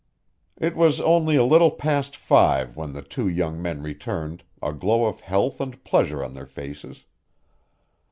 It was only a little past five when the two young men returned, a glow of health and pleasure on their faces.